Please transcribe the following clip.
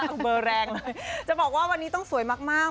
เอาเบอร์แรงเลยจะบอกว่าวันนี้ต้องสวยมาก